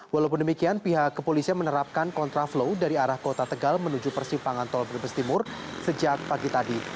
walaupun demikian pihak kepolisian menerapkan kontraflow dari arah kota tegal menuju persimpangan tol brebes timur sejak pagi tadi